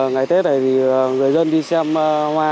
ngày tết này thì người dân đi xem hoa